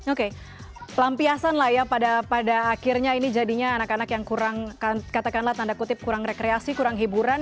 oke pelampiasan lah ya pada akhirnya ini jadinya anak anak yang kurang katakanlah tanda kutip kurang rekreasi kurang hiburan